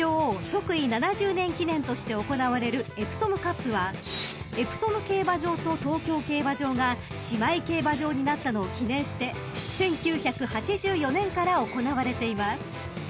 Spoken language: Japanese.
即位７０年記念として行われるエプソムカップはエプソム競馬場と東京競馬場が姉妹競馬場になったのを記念して１９８４年から行われています］